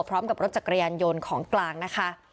พร้อมกับรถจักรยานยนต์ของกลางนะคะ